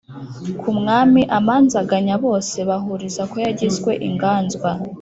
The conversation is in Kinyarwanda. kumwami amanzanganyaBose bahuriza ko yagizwe inganzwa